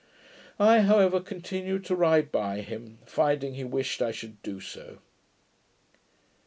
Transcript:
I however continued to ride by him, finding he wished I should do so.